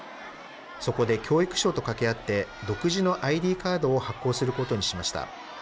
そこで教育省とかけあって、独自のＩＤカードを発行することにしました。